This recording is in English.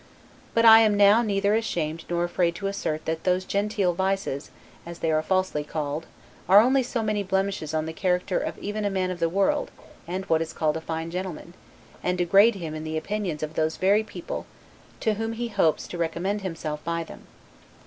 But I am now neither ashamed nor afraid to assert that those genteel vices, as they are falsely called, are only so many blemishes in the character of even a man of the world and what is called a fine gentleman, and degrade him in the opinions of those very people, to whom he, hopes to recommend himself by them.